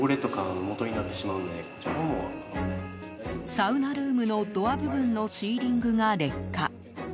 サウナルームのドア部分のシーリングが劣化。